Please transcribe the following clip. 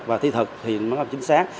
và thi thực thì mới làm chính xác